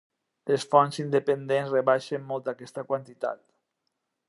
Les fonts independents rebaixen molt aquesta quantitat.